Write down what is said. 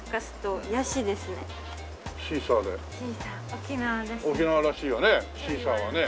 沖縄らしいよね